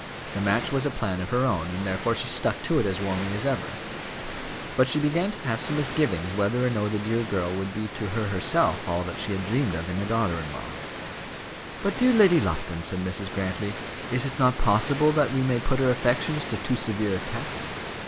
The match was a plan of her own, and therefore she stuck to it as warmly as ever, but she began to have some misgivings whether or no the dear girl would be to her herself all that she had dreamed of in a daughter in law. "But, dear Lady Lufton," said Mrs. Grantly, "is it not possible that we may put her affections to too severe a test?